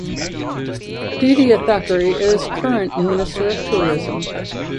Aditya Thackeray is current Minister of Tourism.